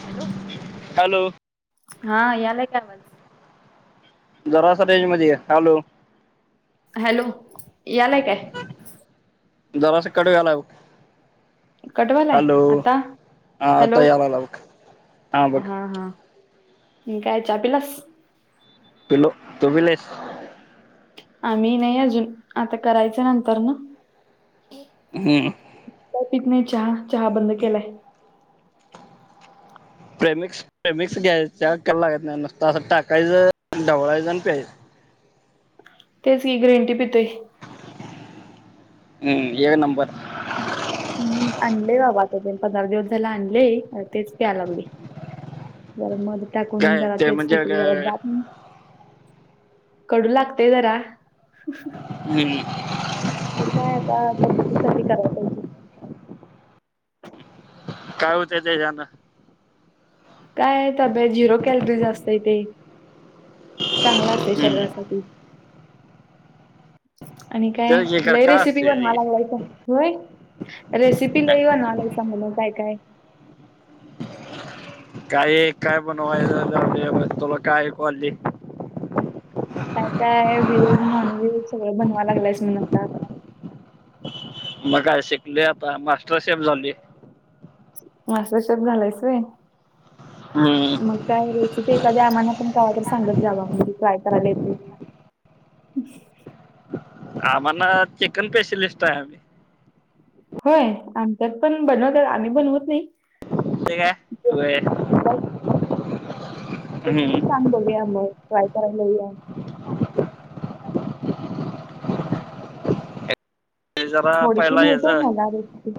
Hello,, hello हा यालाय काय आवाज? जरासा रेंज मध्ये ये,,, हॅलो. हॅलो,, यालाय काय? जरासं कट व्हालाय बग कट व्हालाय,, आता,,, हा हॅलो,, आता यायला लागला बघ हा हा. आणी काय च्या पिलास? पिलो,, तु पिलेस आम्ही नाही अजून,, आता करायच नंतर नं हम्म लय पित नाही चहा, चहा बंद केलाय. प्रेमिक्स, प्रेमिक्स घ्यायच्या चा करायला लागत नाही, नुसता असं टाकायचं, ढवळायचं आणि प्यायचं. तेच की ग्रीन टी पितोय. हम्म एक नंबर. हम्म आणलेय बाबा आता पंधरा दिवस झालं आणलय,, आता तेच प्या लागलय. जरा मध टाकून काय जरा ते तेच म्हणजे पितो जरा अं, जात नी. कडू लागतेय जरा. हम्म, खर काय आता तब्बेती साठी करायला पाहिजे. काय होत तेजान? काय तब्येत झिरो कॅलरी असतंय तेे. चांगल असतंय हम्म शरीरासाठी. आणि काय तर हे कर लय काय रेसिपी असते ते? बनवलाईस होय रेसिपी लई बनवलाईसा. चांगलं काय? काय? [unintelligible] काय काय व्हेज नॉन व्हेज सगळं बनवाया लागलं स म्हण आता मग काय शिकलोय आता मास्टरशेफ झालोय. मास्टर शेफ झालायस व्हय? हम्म मग काय रेसिपी एखादी आम्हाला पण कवा तर सांगत जावा? म्हणजे ट्राय करायला येते. आम्हाना चिकन स्पेशालिस्ट हाय आम्ही. होय आमच्यात पण बनवतात आम्ही बनवत नाही. ठीक आहे व्हय [unintelligible] किती हम्म सांग बघूया मग ट्राय करायला येऊया. ते जरा थोडकी पहिला माहिती ह्याच आहे काय मला रेसिपी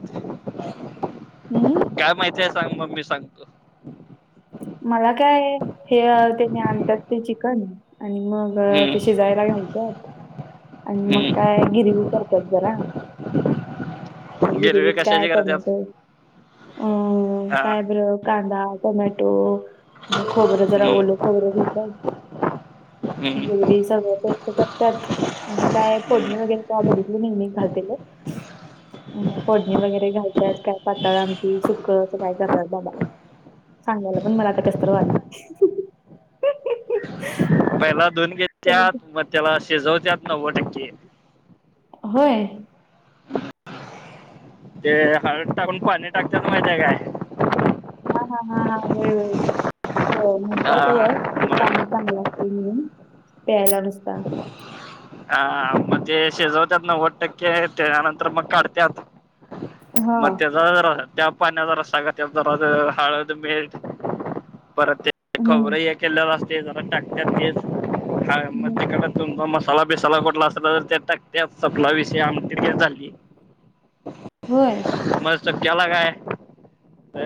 हम्म माहिती आहे. सांग मग? मी सांगतो. मला काय हे त्यानी आणत्यात ते चिकन आणि मग अ ते हम्म शिजयला घालत्यात. आणि मग हम्म काय गिरवी करत्यात जरा गिरवी गिरवीत काय कशाची करत्यात टोमॅटो अ हा काय ब्र कांदा टोमॅटो आणि खोबरं जरा हम्म ओल खोबर घेतात हम्म गिरवी सगळं पेष्ट करत तात आणि काय फोडणी हम्म वगैरे काय बघितली नाही मी घालत्याल. अन् फोडणी वगैरे घालत्यात काय पाताळ आमटी सुक असं काय करत्यात बाबा सांगायला पण मला आता कसतर व्हायलं. पहिला धुवून घेत्यात मग त्याला शिजवत्यात नव्वद टक्के होय? ते हळद टाकून पाणी टाकत्यात माहिती आहे काय? हा हा हा व्हय व्हय ते म्हणत्यात. हा ते पाणी मग चांगलं असत म्हणून प्यायला नुसता. हा हा म्हणजे शिजवत्यात नव्वद टक्के त्यानंतर मग काढत्यात. हा मग त्याचजा राह त्या पाण्याचा रस्सा करत्यात जारास हळद मीठ परत ते हम्म खोबर ये केलेला असते जरा टाकत्यात तेच हम्म मग तुम मस्त तावा बिस्वा आसला तर टक्त्यात. संपला विषय आमटी तयार झाली. होय. मस्त केला काय अ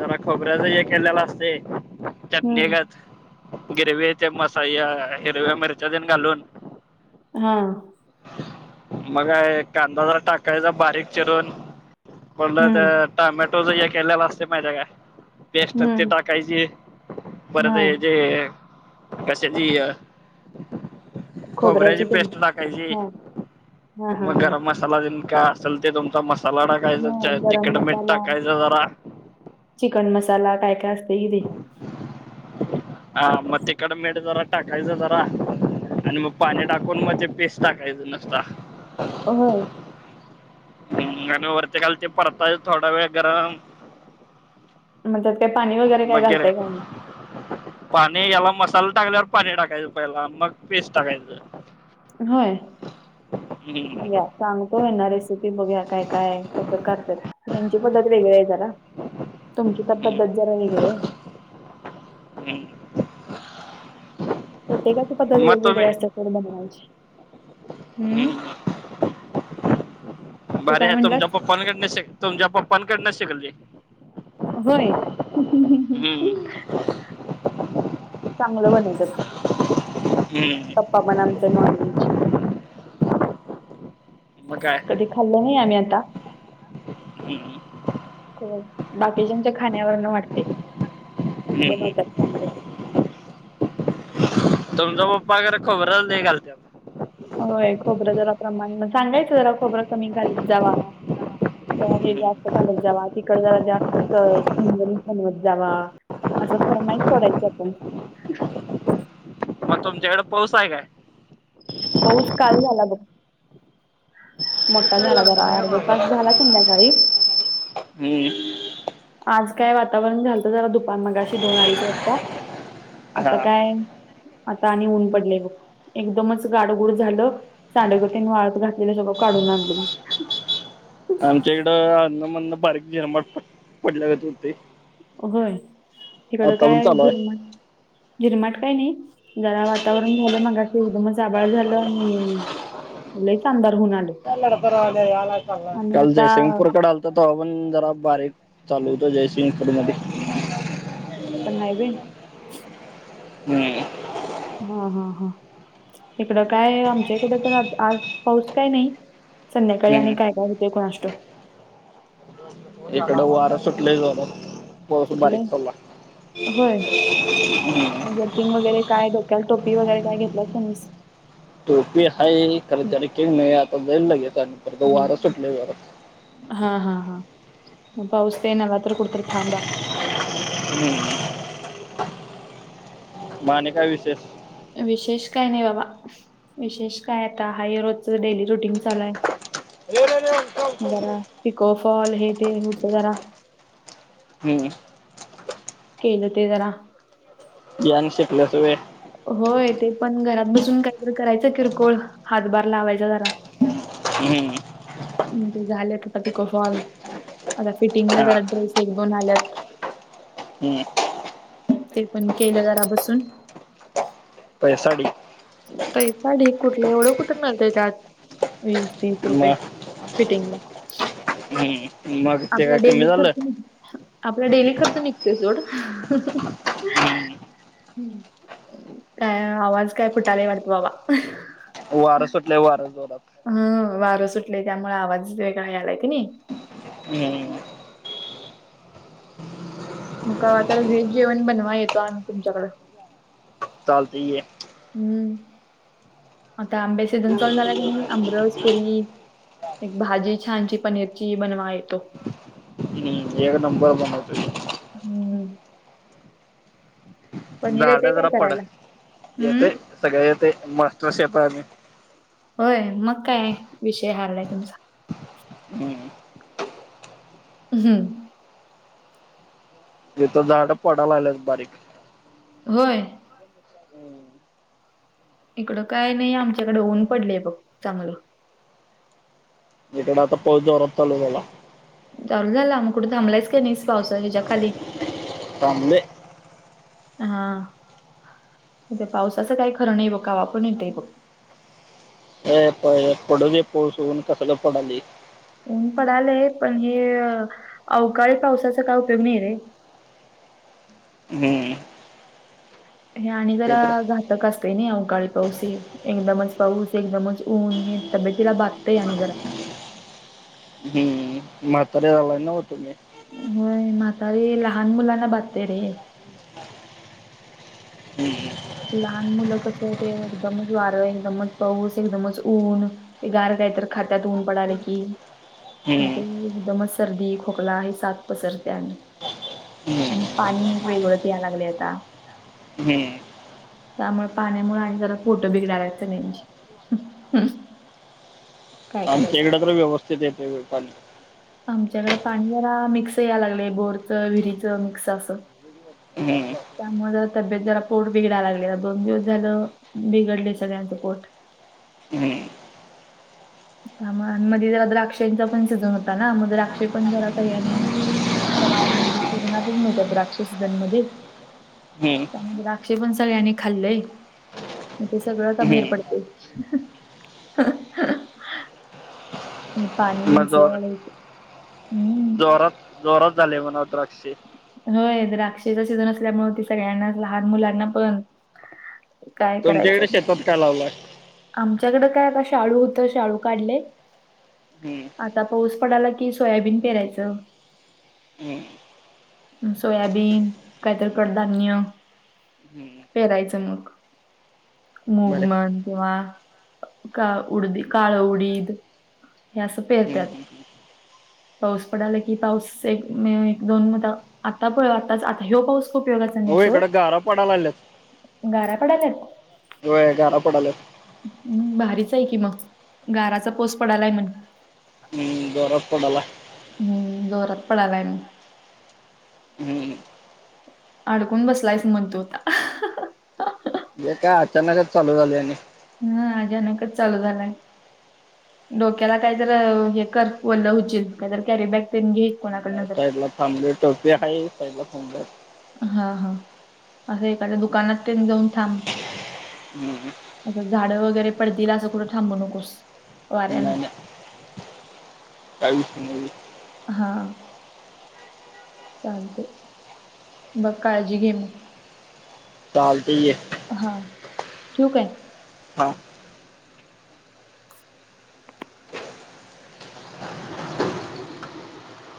जरा खोबऱ्याच हे केलेल्या असतेय‌- चटणी हम्म घात गिरवी ते मसा ह्य हिरव्या मिरच्या तेन घालून हा मग काय कांदा जरा टाकायचा बारीक चिरून बोललं हम्म तर टॉमॅटोच हे केलेल्या असतेया माहिती ये काय पेस्ट ते हम्म टाकायची परत हा जे जे कशाची खोबऱ्याची पेस्ट टाकायची हा हा हा मग हा गरम मसाला मसाला तेन काय असल ते तुमचा मसाला हो टाकायचा गरम तिखट मीठ मसाला टाकायचं जरा चिकन मसाला काय काय असते की ते हा मग तिखट मीठ जरा टाकायचा जरा आणि मग पाणी टाकून मग ते पेस्ट टाकायचं नुसता होय. आणि वरती खाली ते परतायच थोडा वेळ गरम मग त्यात काय पाणी वगैरे काय घालंताय काय नाही. पाणी याला मसाला टाकल्यावर पाणी टाकायचं पहिला मग पेस्ट टाकायचं. होय हम्म, या सांगतोय यांना रेसिपी बघूया काय काय कसं करत्यात ह्यांची पद्धत वेगळी आहे जरा तुमची तर पद्धत जरा वेगळी आहे हम् प्रत्येकाची पद्धत मग वेगवेगळे तुम्ही असतात बनवायची हम्म तू भारी काय आहे म्हणलास तुमच्या पप्पांणकड शिक तुमच्या पप्पांनकडच शिकलोय. होय चांगलं बनवतात. हम्म पप्पा पण आमच नॉनव्हेज आमच्या नॉनव्हेज मग काय कधी खाल्लं नाही आम्ही आता हम्म, खर बाकीच्यांच्या खाण्यावरन वाटते. बनवतात हम्म चांगलं हम तुमचा पप्पा खरं खोबरं लय घालत्यात होय खोबरं जरा प्रमाण मग सांगायचं जरा खोबरं कमी घालीत जावा हे जास्त घालत जावा तिकट जरा जास्त स झणझणीत बनवत जावा असं फरमाईत पडायची आपण मग तुमच्याकड पाऊस काय? पाऊस काल झाला बघ मोठा झाला जरा अर्धा तास झाला संमध्याकाळी हम आज काय वातावरण झालतं जरा दुपार मग अशी दोन अडीज वाजता. हा आता काय आता आणि ऊन पडलेय बघ एकदमच गाडगुड झालं साांडेगतीनी वाळत घातलेलं सगळं काढून आणलो मी आमच्या इकडं अदन्न म्हदन्न बारीक झिरमाट पडले गत होतय. होय हिकडं पण काय चालू आहे जिरमाट झिरमाट काही नाही जरा वातावरण झालं मगाशी एकदमच आभाळ झालं ही आणि लईच अंधार होऊन आलं काय लडतर व्हायल्या याला आणि काल आता जयसिंगपूरकड आलत तव्हा पण जरा बारीक चालू होत जयसिंगपूर मध्ये- तिकड पण हाय व्हय हम्म हा हा हा इकडं काय आमच्या इकड तर आ आज पाऊस काय नाही. संध्याकाळी आणि काय हम्म काय होेते कुनासष्टोक इकड वार सुटलय जोरात. थोडासा बारीक सुटलंय चालू पडला. किंग वगैरे काय डोक्याला टोपी वगैरे काय घेतलास [unintelligible] टोपी हाय खरं जर्किंग नाही आता जाईल लगेच [unintelligible] हम्म. वारा सुटलय जोरात. हा हा हा पाऊस येणार आता कुठतरी थांबा. [inaudible] मा आणि काय विशेष? विशेष काय नाही बाबा, विशेष काय आता हाय रोजच डेली रुटीन चालू आहे. जरा हम्म पिको फॉल हे ते होत जरा. हम्म केल ते जरा. [unintelligible] शिकल्यास होय. होय ते पण घरात बसून काहीतरी करायचं किरकोळ हातभार लावायचा जरा. हम्म आणि ते झालेत आता पिको फॉल, आता फिटिंगला हा जरा ड्रेस एक दोन आल्यात. हम्म ते पण केल जरा बसून. पैसा ढीग पैसा ढिग कुठल एवढं कुठं मिळतंय त्यात, तीस रुपये फिटिंगला. हम्म, मग ते काय कमी झालं. आपल डेली खर्च निघतोय सोड. हम्म काय आवाज काय फुटालय वाटतं बाबा. वार सुटलंय वार जोरात. हम्म वारं सुटलय त्यामुळे आवाज वेगळा आलाय का नाही. हम्म मग कवा तर व्हेज जेवण बनवाय येतो, आम्ही तुमच्याकडं. चालतंय ये. हम्म आता आंब्याचा सीजन चालू झाला क नाही आमरस पुरी एक भाजी छान ची पनीरची बनवाय येतो. हम एक नंबर बनवतोय. हम्म पनीर झाड येतंय काय जरा पड, करायला? हम्म येतेय सगळं येतय मास्टर्स शेप आहे आम्ही. होय मग काय विषय हार्ड आहे तुमचा. हम्म हम इथं झाड पडाय लागल्यात बारीक. होय इकडं काय नाही आमच्याकडे ऊन पडलय बघ चांगलं. इकडं आता पाऊस जोरात चालू झाला. चालू झाला मग कुठ थांबलाय का नाहीस पाऊसा हिच्या खाली. थांबलोय. हा इथं पावसाचं काय खरं नाही बघ कवा पण येतय बघ‌. हे प-पडूदे पाऊस ऊन कशाला पडालंय. ऊन पडालेय पण हे अवकाळी पावसाचा काय उपयोग नाही रे. हम्म हे आणि जरा ते तर घातक असतंय नई अवकाळी पाऊस हे. एकदमच पाऊस एकदमच ऊन हे तब्येतीला बाधतंय आणि जरा. हम् म्हातारी झालाय नव्हं तूम्ही. होय म्हातारी लहान मुलांना बाधतंय रे. हम्म हम् लहान मुलं कसं ते एकदमच वारं एकदमच पाऊस एकदमच ऊन ते गार काय तर खात्यात ऊन पडालं की मग ते हम्म. एकदमचं सर्दी खोकला हि साथ पसरतीया. आणि हम्म. पाणी एक वेगळं यायला लागलंय आता. हम्म त्यामुळे पाण्यामुळे आणि जरा पोट बिघडाय लागल्यात आणि जरा सगळ्याची. आमच्या इकडं तर व्यवस्थतीत येतंय बाई पाणी. आमच्याकडे पाणी जरा मिक्स यायलागलय बोरचं विरीचं मिक्स असं हम्म हम्म त्यामुळं तब्येत जरा पोट बिडायला लागलंय दोन दिवस झालं बिघडलंय सगळ्यांचं पोट. हम्म त्यामुळं आन मध्ये जरा द्राक्षांचा पण सीझन होता ना मग द्राक्षे पण जरा सगळ्यांनी कवा हाय म्हणजे सीझनातच मिळत्यात द्राक्षे सीझन मध्ये हम्म. त्यामुळे द्राक्षे पण सगळ्यांनी खाल्लंय. मग ते सगळं आता बाहेर हम्म. पडतंय. पाणी मग जोर [unintelligible] हम् जोरात, जोरात झाले म्हणा द्राक्षे. होय द्राक्षेचा सीझन असल्यामुळे ते सगळ्यांनाच लहान मुलांना पण काय करायचं? तुमच्याकडं शेतात काय लावलाय? आमच्याकडं काय आता शाळू होतं, शाळू काढलय. हम्म. आता पाऊस पडाला की, सोयाबीन पेरायचं. हम्म. म सोयाबीन, काहीतरी कडधान्य, हम्म. पेरायचं मग मूग बरे म्हण किंवा का उडदी, काळं उडीद. हे असं हम्म पेरत्यात. हम्म हम् पाऊस पडाला की पाऊस एक, एक दोन मत आता प आता आता ह्यो पाऊस उपयोगाचा नाही हो सोड, इकडे गारा पडायला गारा पडाल्यात? व्हय गारा पडाल्यात. हम् भारीच आहे की मग गाराचा पाऊस पडालाय म्हण. ह जोरात पडालाय. हम्म जोरात पडालाय. हम्म अडकून बसलायस म्हण तू आता. हे काय अचानकच चालू झालय आणि, हम अचानकच चालू झालाय. डोक्याला कायतर हे कर ओलं होशील, कायतर कॅरी बॅग तेन घे कोणाकडन तर, थांबलोय टोपी हाय, साइडला थांबलोय. हा हा असं एखाद्या दुकानात तेन जाऊन थांब. हम्म आसं झाडं वगैरे पडतील आसं कुठं थांबू नकोस. नाही वाऱ्यानं नाही. काय विषय नाही. हां चालतय, बघ काळजी घे मग. चालतय ये. हा ठेवू काय? हा